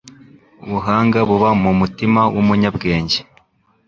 Ubuhanga buba mu mutima w’umunyabwenge